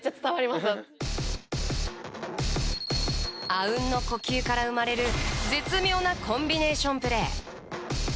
あうんの呼吸から生まれる絶妙なコンビネーションプレー。